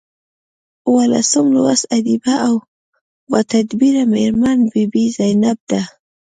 اوولسم لوست ادیبه او باتدبیره میرمن بي بي زینب ده.